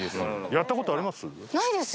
やった事あります？